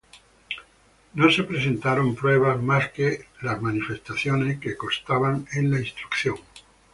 No se presentaron pruebas más que las manifestaciones que constaban en la instrucción.